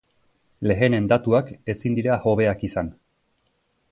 Lehenen datuak ezin dira hobeak izan.